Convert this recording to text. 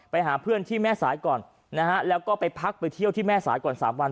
ไปหาเพื่อนที่แม่สายก่อนนะฮะแล้วก็ไปพักไปเที่ยวที่แม่สายก่อน๓วัน